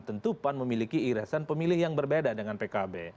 tentu pan memiliki iresan pemilih yang berbeda dengan pkb